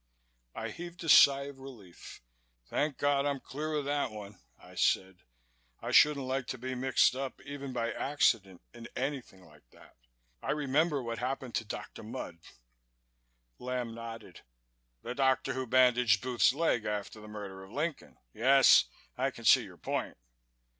I heaved a sigh of relief. "Thank God I'm clear of that one," I said. "I shouldn't like to be mixed up, even by accident, in anything like that. I remember what happened to Dr. Mudd." Lamb nodded. "The doctor who bandaged Booth's leg after the murder of Lincoln? Yes, I can see your point."